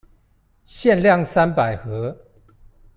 限量三百盒